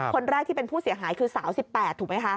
คนแรกที่เป็นผู้เสียหายคือสาว๑๘ถูกไหมคะ